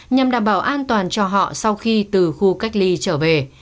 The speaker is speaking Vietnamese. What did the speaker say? nhằm đảm bảo an toàn cho họ sau khi từ khu cách ly trở về